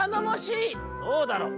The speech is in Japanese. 「そうだろう。